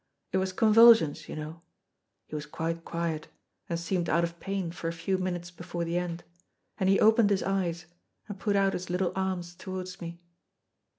It was convulsions, you know. He was quite quiet, and seemed out of pain for a few minutes before the end, and he opened his eyes, and put out his little arms towards me.